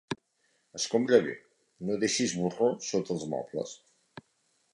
Escombra bé: no deixis borró sota els mobles.